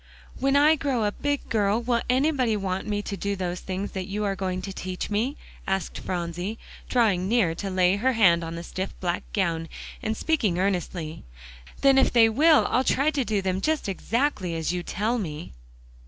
"When I grow a big girl, will anybody want me to do those things that you are going to teach me?" asked Phronsie, drawing near to lay her hand on the stiff black gown, and speaking earnestly. "Then if they will, I'll try to do them just exactly as you tell me."